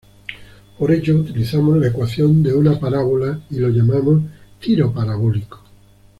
Por ello utilizamos la ecuación de una parábola y lo llamamos "tiro parabólico".